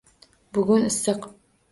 Bugun issiq